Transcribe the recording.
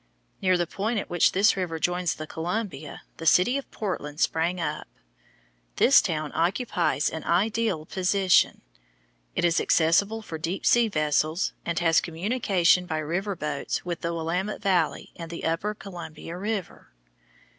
Near the point at which this river joins the Columbia, the city of Portland sprang up. This town occupies an ideal position. It is accessible for deep sea vessels, and has communication by river boats with the Willamette Valley and the upper Columbia River.